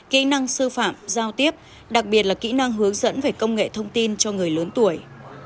kỹ năng sư phạm giao tiếp đặc biệt là kỹ năng hướng dẫn về công nghệ thông tin cho người lớn tuổi